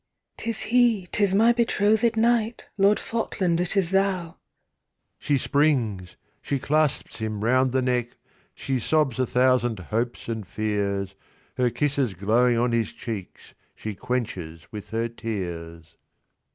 'Tis He! 'Tis my betrothéd Knight! Lord Falkland, it is Thou!' 20 She springs, she clasps him round the neck, She sobs a thousand hopes and fears, Her kisses glowing on his cheeks She quenches with her tears.